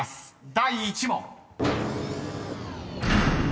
第１問］